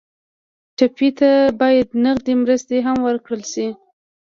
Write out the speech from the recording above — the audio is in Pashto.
ټپي ته باید نغدې مرستې هم ورکړل شي.